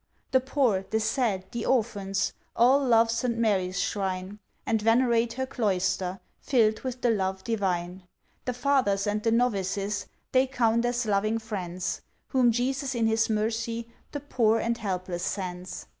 The poor, the sad, the orphans, All love St. Mary's shrine, And venerate her Cloister, Fill'd with the Love Divine. The Fathers, and the Novices, They count as loving friends, Whom Jesus in His Mercy, The poor and helpless sends.